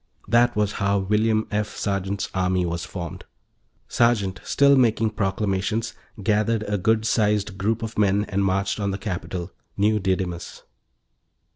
That was how William F. Sergeant's army was formed; Sergeant, still making proclamations, gathered a good sized group of men and marched on the capital, New Didymus.